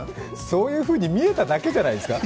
そういうふうに見えただけじゃないですか？